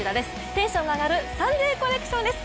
テンションが上がるサンデーコレクションです。